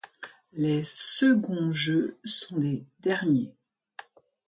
Ces seconds Jeux sont ses derniers.